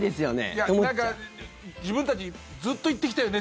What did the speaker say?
いや、自分たちずっと言ってきたよね